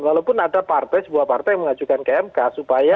walaupun ada partai sebuah partai yang mengajukan kmk supaya